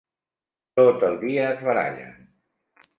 Tot el dia es barallen.